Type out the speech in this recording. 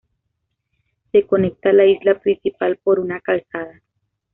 Se conecta a la isla principal por una calzada.